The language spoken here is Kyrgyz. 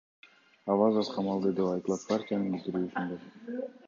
Авазов камалды, — деп айтылат партиянын билдирүүсүндө.